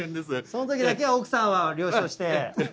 その時だけは奥さんは了承して。